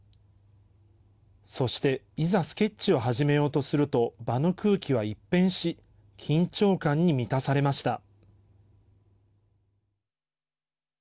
そして、いざスケッチを始めようとすると場の空気は一変し緊張感に満たされました。